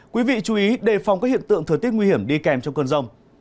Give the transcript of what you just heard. quý vị chú ý đề phòng các hiện tượng thừa tiết nguy hiểm đi kèm trong cơn rông